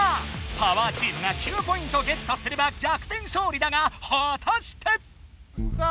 パワーチームが９ポイントゲットすればぎゃくてんしょうりだがはたして⁉さあ